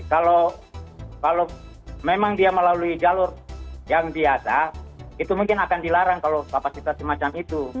kalau memang dia melalui jalur yang biasa itu mungkin akan dilarang kalau kapasitas semacam itu